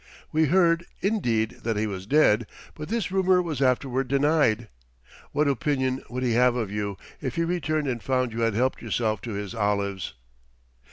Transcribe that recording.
We heard, indeed, that he was dead, but this rumor was afterward denied. What opinion would he have of you if he returned and found you had helped yourself to his olives?"